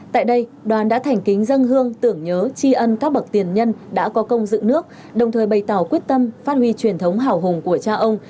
tại đây đoàn đã thành kính dân hương tưởng nhớ tri ân các bậc tiền nhân đã có công dựng nước đồng thời bày tỏ quyết tâm phát huy truyền thống hào hùng của cha ông